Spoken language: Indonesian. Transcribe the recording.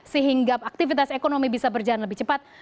sehingga aktivitas ekonomi bisa berjalan lebih cepat